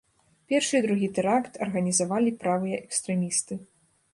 Першы і другі тэракт арганізавалі правыя экстрэмісты.